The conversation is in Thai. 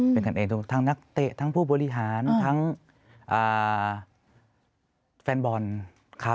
เป็นกันเองทั้งนักเตะทั้งผู้บริหารทั้งแฟนบอลครับ